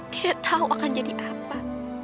tidak tahu akan jadi apa